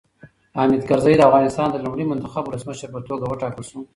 حامد کرزی د افغانستان د لومړي منتخب ولسمشر په توګه وټاکل شو.